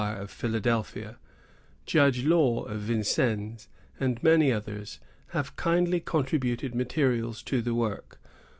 of Philadelphia, Judge Law, of Vincennes, and many others, have kindly contributed materials to the work.